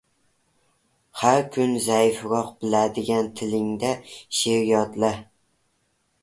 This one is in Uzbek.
Har kun zaifroq biladigan tilingda she’r yodla.